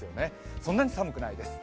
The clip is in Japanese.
そんなに寒くないです。